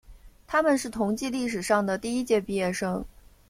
他们是同济历史上的第一届毕业生。